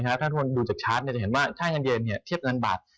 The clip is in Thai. ถ้าทุกคนดูจากชาร์จจะเห็นว่าค่าเงินเย็นเทียบเงินบาท